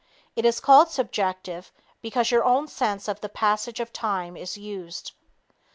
It is called subjective because your own sense of the passage of time is used.